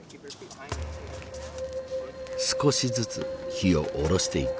少しずつ火を下ろしていく。